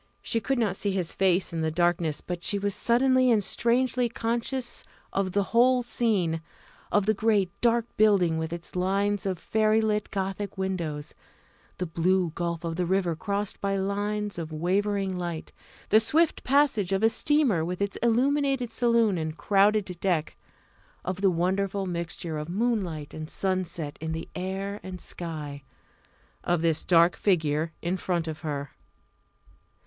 She could not see his face in the darkness; but she was suddenly and strangely conscious of the whole scene of the great dark building with its lines of fairy lit gothic windows the blue gulf of the river crossed by lines of wavering light the swift passage of a steamer with its illuminated saloon and crowded deck of the wonderful mixture of moonlight and sunset in the air and sky of this dark figure in front of her.